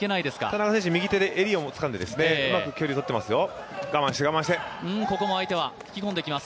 田中選手、右手で襟をつかんで、うまく距離をとっていますよ。